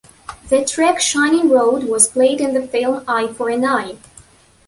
The track "Shining Road" was played in the film "Eye for an Eye".